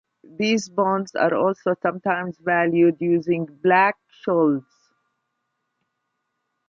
These bonds are also sometimes valued using Black-Scholes.